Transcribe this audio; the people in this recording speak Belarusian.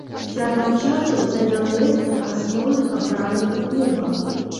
З цягам часу заняў месца асноўнага брамніка клуба.